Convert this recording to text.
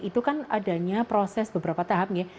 itu kan adanya proses beberapa tahap ya